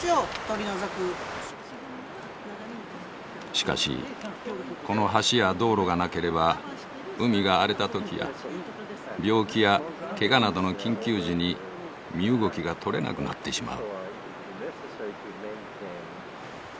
しかしこの橋や道路がなければ海が荒れたときや病気やけがなどの緊急時に身動きが取れなくなってしまう。